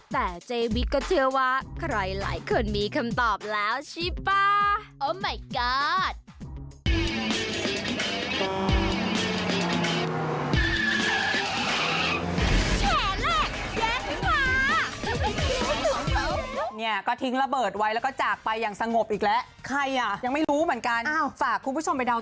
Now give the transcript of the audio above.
แต่เจวิตก็เชื่อว่าใครไหลขึ้นมีคำตอบแล้วชิปะ